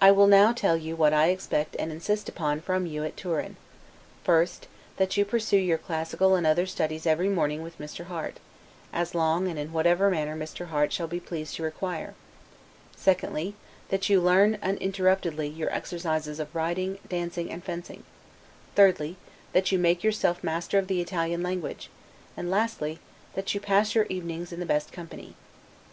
I will now tell you what I expect and insist upon from you at Turin: First, that you pursue your classical and other studies every morning with Mr. Harte, as long and in whatever manner Mr. Harte shall be pleased to require; secondly, that you learn, uninterruptedly, your exercises of riding, dancing, and fencing; thirdly, that you make yourself master of the Italian language; and lastly, that you pass your evenings in the best company.